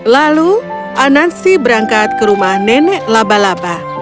lalu anansi berangkat ke rumah nenek labalaba